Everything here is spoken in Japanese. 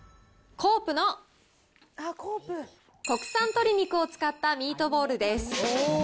コープの国産鶏肉を使ったミートボールです。